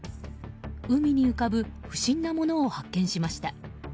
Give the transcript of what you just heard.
海に浮かぶ不審なものを発見しました。